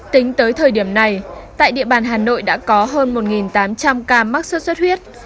tính tới thời điểm này tại địa bàn hà nội đã có hơn một tám trăm linh ca mắc sốt xuất huyết